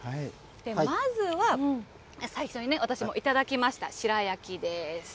まずは最初にね、私も頂きました白焼きです。